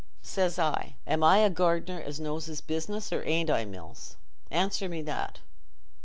Says I, 'Am I a gardener as knows his business, or arn't I, Mills? Answer me that.